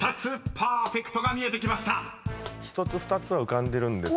パーフェクトが見えてきました］